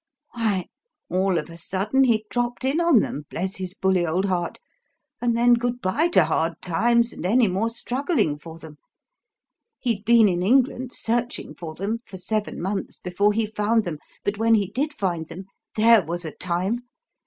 "Why, all of a sudden he dropped in on them, bless his bully old heart! and then good bye to hard times and any more struggling for them. He'd been in England searching for them for seven months before he found them; but when he did find them there was a time!